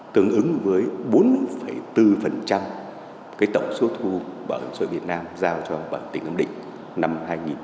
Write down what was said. tương ứng với bốn bốn cái tổng số thu bảo hiểm xã hội việt nam giao cho bảo hiểm tỉnh nam định